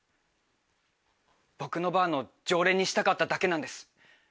僕のバーの常連にしたかっただけなんです。